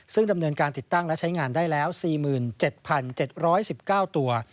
ซึ่งดำเนินการติดตั้งและใช้งานได้แล้ว๔๗๗๑๙ตัว